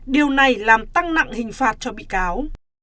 điều này làm tăng nặng hình phạt cho bị cáo